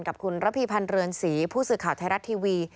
กับคุณระพีพันธ์เรือนศรีผู้สื่อข่าวไทยรัฐทีวี